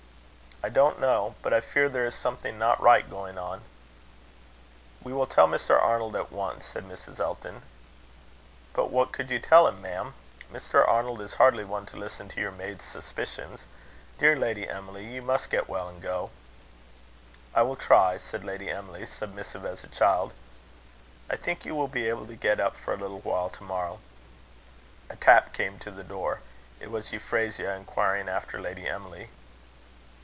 "I don't know. But I fear there is something not right going on." "We will tell Mr. Arnold at once," said Mrs. Elton. "But what could you tell him, ma'am? Mr. Arnold is hardly one to listen to your maid's suspicions. Dear Lady Emily, you must get well and go." "I will try," said Lady Emily, submissive as a child. "I think you will be able to get up for a little while tomorrow." A tap came to the door. It was Euphrasia, inquiring after Lady Emily.